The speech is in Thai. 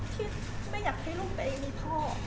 ที่ไม่อยากให้ลูกตัวเองมีพ่อ